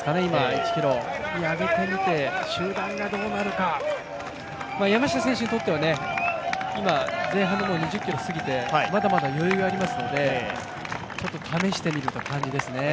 １ｋｍ、上げてみて集団がどうなるか、山下選手にとっては今、前半で２０ｋｍ過ぎてまだまだ余裕ありますのでちょっと試してみたという感じですね。